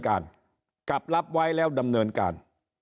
กลับรับไว้แล้วดำเนินการ